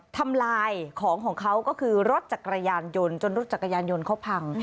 ทำลายของของเขาก็คือรถจักรยานยนต์จนรถจักรยานยนต์เขาพัง